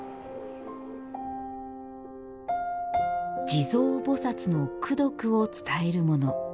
地蔵菩薩の功徳を伝えるもの。